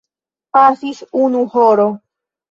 Pasis unu horo.